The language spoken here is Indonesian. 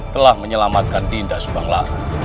telah menyelamatkan tindas bangla